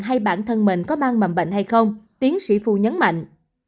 hay bản thân mình có mang mầm bệnh hay không tiến sĩ phu nhấn mạnh